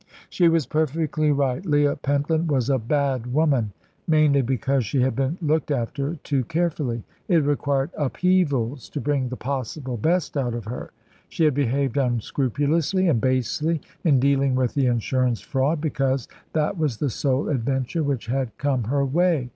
She was perfectly right. Leah Pentland was a bad woman mainly because she had been looked after too carefully. It required upheavals to bring the possible best out of her. She had behaved unscrupulously and basely in dealing with the insurance fraud, because that was the sole adventure which had come her way.